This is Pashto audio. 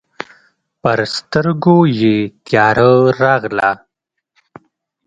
پر سترګو یې تياره راغله.